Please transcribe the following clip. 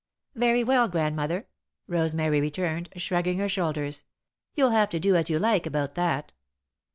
"Very well, Grandmother," Rosemary returned, shrugging her shoulders. "You'll have to do as you like about that."